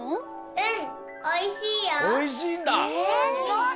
うん。